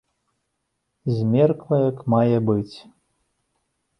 Змеркла як мае быць.